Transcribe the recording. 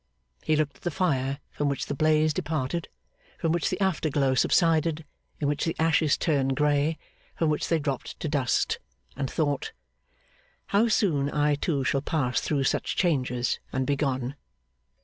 He looked at the fire from which the blaze departed, from which the afterglow subsided, in which the ashes turned grey, from which they dropped to dust, and thought, 'How soon I too shall pass through such changes, and be gone!